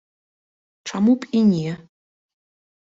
Чаму б і не?